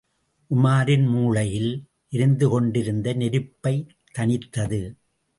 உமாரின் மூளையில் எரிந்து கொண்டிருந்த நெருப்பைத் தணித்தது.